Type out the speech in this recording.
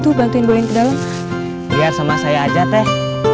itu bantuin boleh ke dalam biar sama saya aja teh